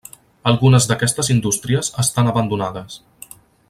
Algunes d'aquestes indústries estan abandonades.